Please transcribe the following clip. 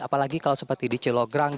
apalagi kalau seperti di cilograng